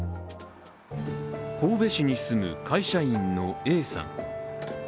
神戸市に住む会社員のＡさん。